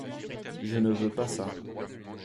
Je ne veux pa ça.